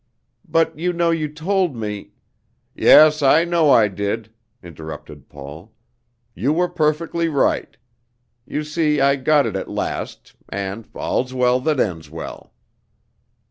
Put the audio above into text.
But you know you told me " "Yes, I know I did," interrupted Paul. "You were perfectly right. You see I got it at last, and 'all's well that ends well!'"